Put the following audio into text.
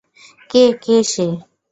কে, কে সে?